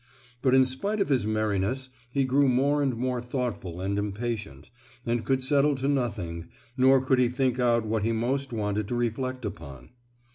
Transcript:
But in spite of his merriness he grew more and more thoughtful and impatient, and could settle to nothing, nor could he think out what he most wanted to reflect upon.